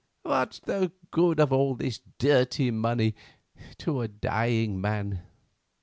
What's the good of this dirty money to a dying man?